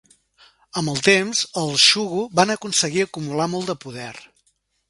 Amb el temps, el shugo van aconseguir acumular molt de poder.